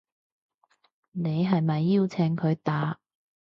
你係咪邀請佢打